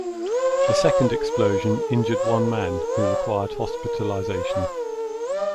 The second explosion injured one man, who required hospitalization.